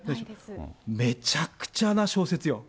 めちゃくちゃな小説よ。